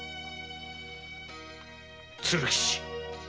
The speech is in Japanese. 鶴吉！